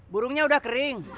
burungnya udah kering